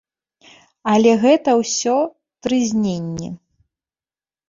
Але гэта ўсё трызненні.